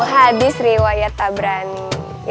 hadis riwayat tak berani